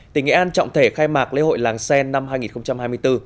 tỉnh nghệ an trọng thể khai mạc lễ hội làng sen năm hai nghìn hai mươi bốn